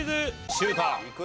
シュート！